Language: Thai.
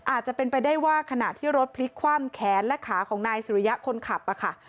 อาจจะเป็นไปได้ว่าขณะที่รถพลิกคว่ำแขนและขาของนายสุริยะคนขับค่ะ